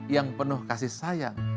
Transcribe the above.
yang penuh kasih sayang